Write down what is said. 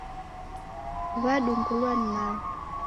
W'adungulwa ni maye.